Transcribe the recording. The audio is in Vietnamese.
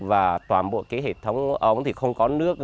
và toàn bộ cái hệ thống ống thì không có nước